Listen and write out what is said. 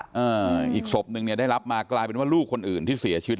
อ่าอีกศพหนึ่งเนี้ยได้รับมากลายเป็นว่าลูกคนอื่นที่เสียชีวิต